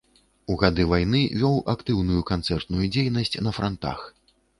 У гады вайны вёў актыўную канцэртную дзейнасць на франтах.